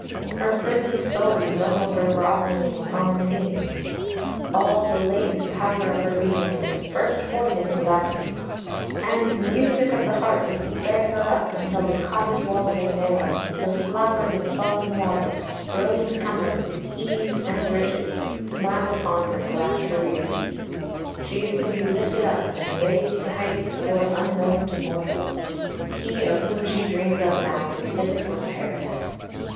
Her prisoned soul is no longer grovelling in common themes; all the latent power of her being is to burst forth in gladness; and music of the heart is to bear her up until the cottage walls are narrow, till flowers and falling water, brilliant company, ease and riches, smile upon her glad career. She is to be lifted up, and raised to heights before unknown to mortals. He of whom she dreams of now is fit for Paradise.